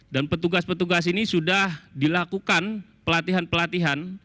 dan petugas petugas ini sudah dilakukan pelatihan pelatihan